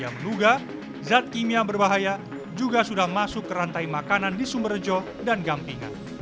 yang menunggu zat kimia berbahaya juga sudah masuk ke rantai makanan di sumerjo dan gampingan